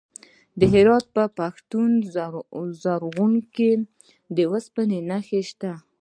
د هرات په پښتون زرغون کې د وسپنې نښې شته.